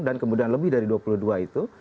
kemudian lebih dari dua puluh dua itu